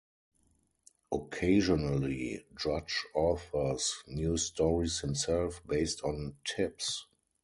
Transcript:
Occasionally, Drudge authors new stories himself, based on tips.